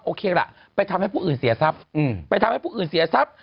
โอเคละไปทำให้ผู้อื่นเสียทรัพย์